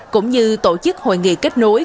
cũng như tổ chức hội nghị kết nối